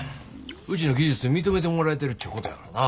うちの技術認めてもらえてるちゅうことやからな。